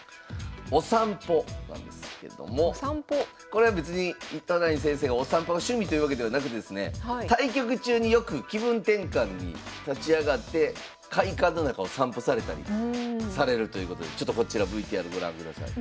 これは別に糸谷先生がお散歩が趣味というわけではなくですね対局中によく気分転換に立ち上がって会館の中を散歩されたりされるということでちょっとこちらＶＴＲご覧ください。